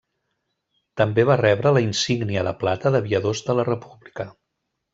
També va rebre la insígnia de plata d'Aviadors de la República.